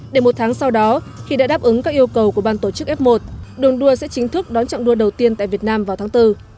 để một tháng sau đó khi đã đáp ứng các yêu cầu của ban tổ chức f một đường đua sẽ chính thức đón trọng đua đầu tiên tại việt nam vào tháng bốn